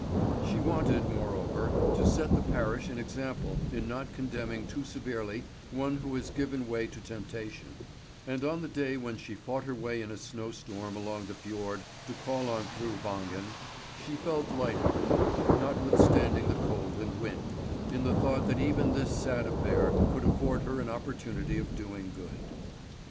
She wanted, moreover, to set the parish an example in not condemning too severely one who has given way to temptation; and on the day when she fought her way in a snow storm along the fjord to call on Fru Wangen, she felt light hearted, notwithstanding the cold and wind, in the thought that even this sad affair could afford her an opportunity of doing good.